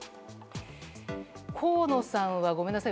河野さんはごめんなさい？